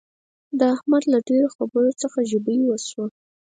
د احمد له ډېرو خبرو څخه ژبۍ شوه.